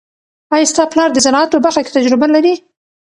آیا ستا پلار د زراعت په برخه کې تجربه لري؟